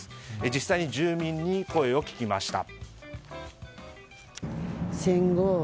実際に住民に声を聞きました。